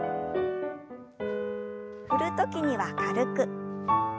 振る時には軽く。